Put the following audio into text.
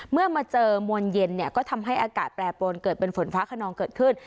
เมื่อมาเจอมวลเย็นเนี่ยก็ทำให้อากาศแปรปรวนเกิดเป็นฝนฟ้าขนองเกิดขึ้น